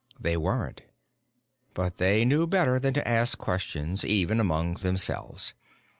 They weren't. But they knew better than to ask questions, even among themselves.